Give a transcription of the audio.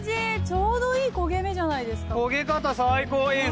ちょうどいい焦げ目じゃないですか。